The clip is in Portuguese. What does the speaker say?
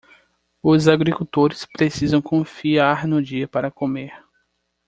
Os agricultores precisam confiar no dia para comer